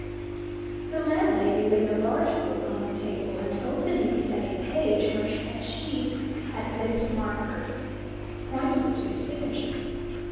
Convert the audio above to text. The landlady laid a large book on the table, and opening it at a page where at she had placed a marker, pointed to a signature.